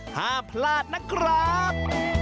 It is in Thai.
ห้ามพลาดนะครับ